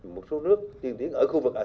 một số nước tiên tiến ở khu vực asean